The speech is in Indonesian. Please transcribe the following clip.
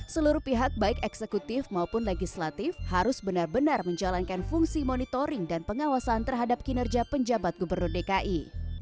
seluruh pihak baik eksekutif maupun legislatif harus benar benar menjalankan fungsi monitoring dan pengawasan terhadap kinerja penjabat gubernur dki